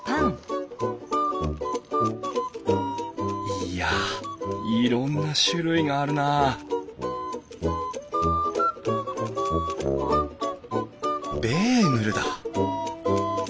いやいろんな種類があるなベーグルだ！